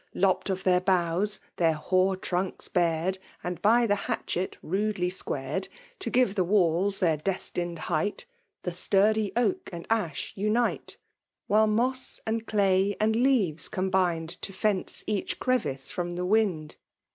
Lopp*d of their houghs, their hoar trunks hared, And by the hatchet rudely squared. To give the walla their destined height. The sturdy oak and ash unite ; While moss and day and leaves combined To fence each crevice from the wind.